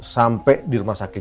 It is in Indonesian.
sampai di rumah sakit